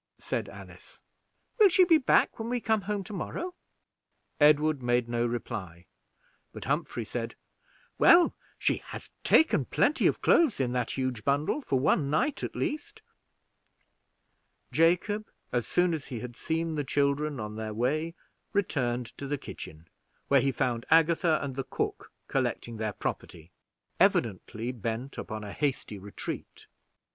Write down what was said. said Alice. "Will she be back when we come home to morrow?" Edward made no reply, but Humphrey said, "Well, she has taken plenty of clothes in that huge bundle for one night, at least." Jacob, as soon as he had seen the children on their way, returned to the kitchen, where he found Agatha and the cook collecting their property, evidently bent upon a hasty retreat.